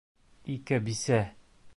Ике бисә!